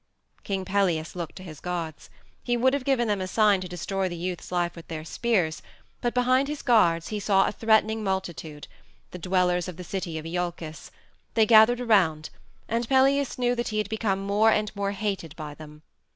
King Pelias looked to his guards. He would have given them a sign to destroy the youth's life with their spears, but behind his guards he saw a threatening multitude the dwellers of the city of Iolcus; they gathered around, and Pelias knew that he had become more and more hated by them.